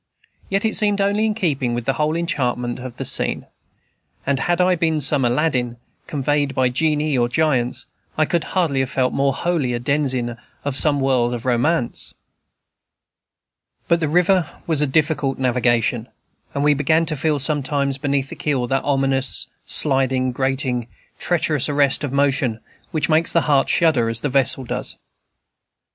Yet it seemed only in keeping with the whole enchantment of the scene; and had I been some Aladdin, convoyed by genii or giants, I could hardly have felt more wholly a denizen of some world of romance. But the river was of difficult navigation; and we began to feel sometimes, beneath the keel, that ominous, sliding, grating, treacherous arrest of motion which makes the heart shudder, as the vessel does.